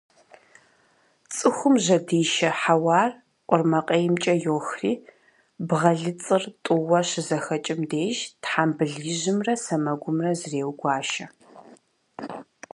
Цӏыхум жьэдишэ хьэуар къурмакъеймкӏэ йохри, бгъэлыцӏыр тӏууэ щызэхэкӏым деж тхьэмбыл ижьымрэ сэмэгумрэ зреугуашэ.